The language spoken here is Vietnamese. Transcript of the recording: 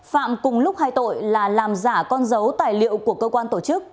phạm cùng lúc hai tội là làm giả con dấu tài liệu của cơ quan tổ chức